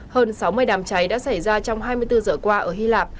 hơn sáu mươi đám cháy đã xảy ra trong hai mươi bốn giờ qua ở hy lạp